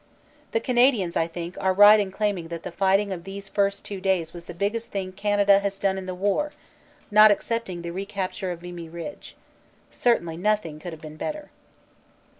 The Canadians, I think, are right in claiming that the fighting of these first two days was the biggest thing Canada has done in the war, not excepting the recapture of Vimy Ridge. Certainly nothing could have been better."